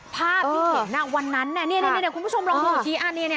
ภาพที่เห็นอ่ะวันนั้นเนี่ยเดี๋ยวคุณผู้ชมลองดูอันนี้เนี่ย